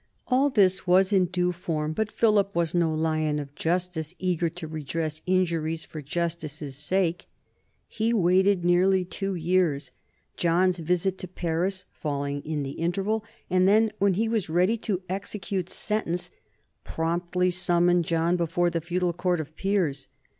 All this was in due form, but Philip was no lion of justice eager to redress injuries for jus tice* sake. He waited nearly two years, John's visit to Paris falling in the interval, and then, when he was ready to execute sentence, promptly summoned John before the feudal court of peers.